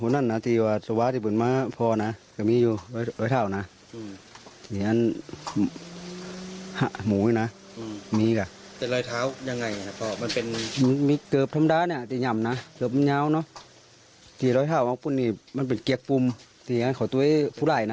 นี่มีรอยเท้าที่ย่ำนะมันเป็นเกี๊ยกปุ่มขอโทษให้ผู้รายนะ